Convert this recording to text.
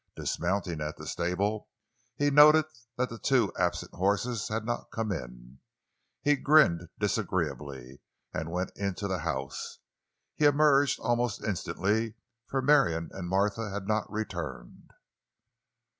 Dismounting at the stable, he noted that the two absent horses had not come in. He grinned disagreeably and went into the house. He emerged almost instantly, for Marion and Martha had not returned.